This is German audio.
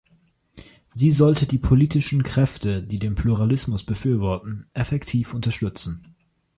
Sie sollte die politischen Kräfte, die den Pluralismus befürworten, effektiv unterstützen.